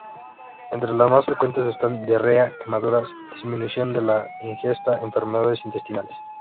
Entre las más frecuentes están: diarrea, quemaduras, disminución de la ingesta, enfermedades intestinales.